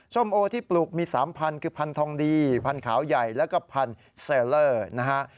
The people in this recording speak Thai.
ส้มโอ้ที่ปลูกมี๓พันธุ์คือพันธองดีพันธุ์ขาวใหญ่และก็พันธุ์เซลเลอร์นะฮะ